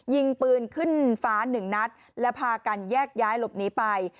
ยิงปืนขึ้นฟ้าหนึ่งนัดและพากันแยกย้ายหลบหนีไป